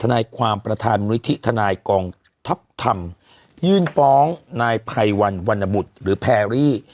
ถนายความประธานมนุษย์ที่ถนายกองทัพธรรมยื่นฟ้องนายไพรวันวันนบุตรหรือแพรรี่